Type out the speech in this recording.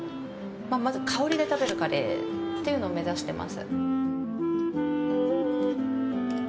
まず香りで食べるカレーを目指しています。